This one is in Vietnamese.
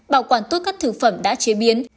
bảo quản tốt các thực phẩm đã chế biến